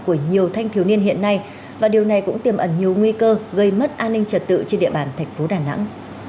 của nhiều thanh thiếu niên hiện nay và điều này cũng tiềm ẩn nhiều nguy cơ gây mất an ninh trật tự trên địa bàn thành phố đà nẵng